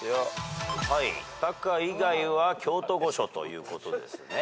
タカ以外は京都御所ということですね。